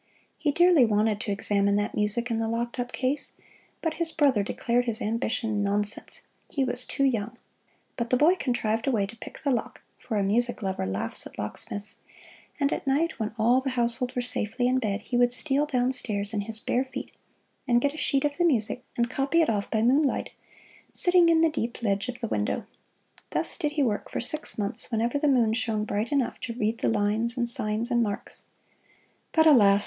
He dearly wanted to examine that music in the locked up case, but his brother declared his ambition nonsense he was too young. But the boy contrived a way to pick the lock for a music lover laughs at locksmiths and at night when all the household were safely in bed, he would steal downstairs in his bare feet and get a sheet of the music and copy it off by moonlight, sitting in the deep ledge of the window. Thus did he work for six months, whenever the moon shone bright enough to read the lines and signs and marks. But alas!